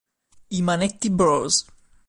I Manetti Bros.